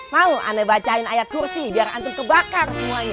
mau ana bacain ayat kursi biar antum kebakar semuanya